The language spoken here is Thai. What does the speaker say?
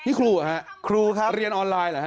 นี่ครูครับเรียนออนไลน์หรือครับ